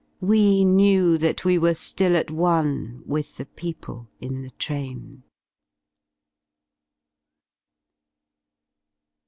We knew that we were ftill at one With the people in the train.